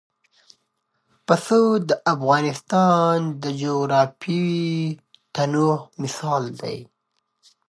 پسه د افغانستان د جغرافیوي تنوع مثال دی.